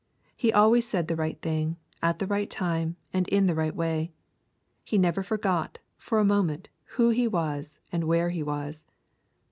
He always said the right thing, at the right time, and in the right way. He never forgot, for a moment, who He was and where He was.